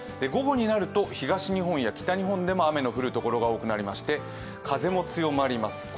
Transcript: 午後になると東日本や北日本でも雨が降るところが多くなりまして、風も強まります。